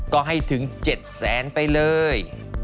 ก็ให้ถึง๗๐๐๐๐๐ไปเลย